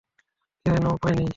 কেন উপায় নেই?